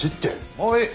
もういい。